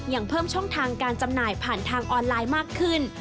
ยังเพิ่มช่องทางการจำหน่ายผ่านทางออนไลน์มากขึ้น